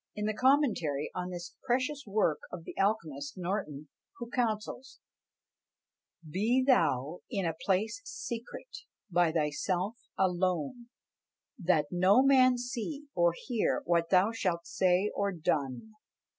In the commentary on this precious work of the alchemist Norton, who counsels, Be thou in a place secret, by thyself alone, That no man see or hear what thou shalt say or done.